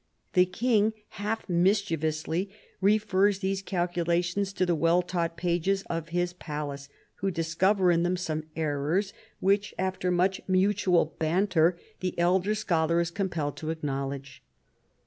The king half mischievously refers these calculations to the well taught pages of his palace, who discover in them some errors, which, after much mutual banter, the elder scholar is compelled to acknowledge.